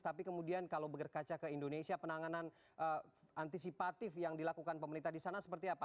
tapi kemudian kalau bekerja ke indonesia penanganan antisipatif yang dilakukan pemerintah di sana seperti apa